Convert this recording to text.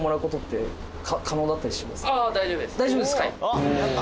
大丈夫ですか？